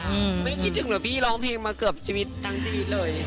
ไม่คิดถึงเหรอพี่ร้องเพลงมาเกือบชีวิตทั้งชีวิตเลย